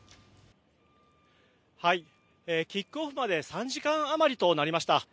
キックオフまで３時間あまりとなりました。